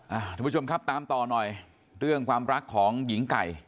ทุกผู้ชมครับตามต่อหน่อยเรื่องความรักของหญิงไก่